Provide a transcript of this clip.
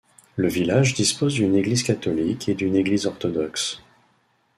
Le village dispose d'une église catholique et d'une église orthodoxe.